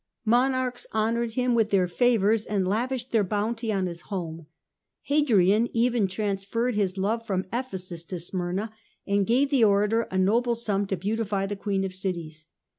Monarchs honoured him with their favours, and lavished their bounty on his home : Hadrian even transferred his love from Ephesus to Smyrna, and gave the orator a noble sum to beautify the queen of cities.